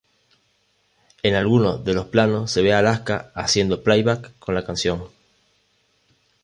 En algunos de los planos se ve a Alaska haciendo playback con la canción.